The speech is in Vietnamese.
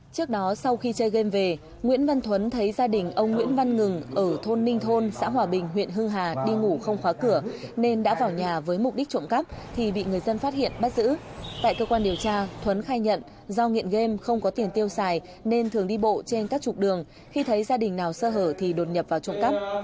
trong điều tra thuấn khai nhận do nghiện game không có tiền tiêu xài nên thường đi bộ trên các trục đường khi thấy gia đình nào sơ hở thì đột nhập vào trộm cắp